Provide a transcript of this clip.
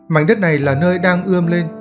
mảnh đất này là nơi đang ươm lên